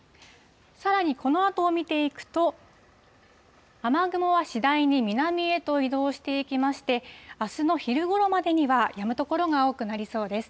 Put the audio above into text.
さらにこのあとを見ていくと、雨雲は次第に南へと移動していきまして、あすの昼ごろまでにはやむ所が多くなりそうです。